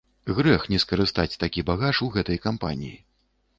Грэх не скарыстаць такі багаж у гэтай кампаніі.